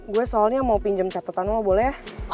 gua soalnya mau pinjam catatan lu boleh ya